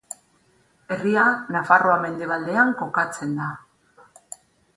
Herria Nafarroa mendebaldean kokatzen da.